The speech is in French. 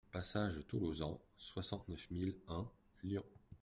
Passage Tolozan, soixante-neuf mille un Lyon